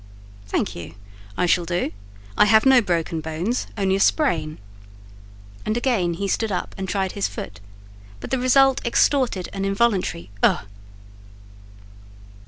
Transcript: "Thank you: I shall do: I have no broken bones,—only a sprain;" and again he stood up and tried his foot, but the result extorted an involuntary "Ugh!"